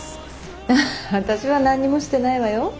私は何にもしてないわよ。